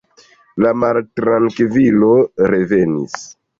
La maltrankvilo revenis.